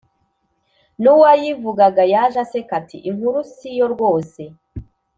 n’uwayivugaga yaje aseka ati inkuru siyo rwose